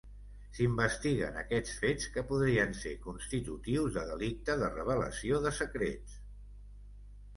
S'investiguen aquests fets, que podrien ser constitutius de delicte de revelació de secrets.